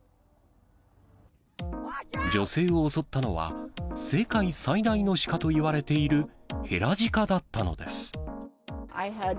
女性を襲ったのは、世界最大の鹿といわれているヘラジカだったのです。